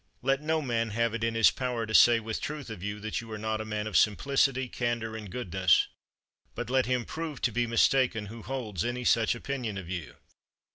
32. Let no man have it in his power to say with truth of you that you are not a man of simplicity, candour, and goodness. But let him prove to be mistaken who holds any such opinion of you.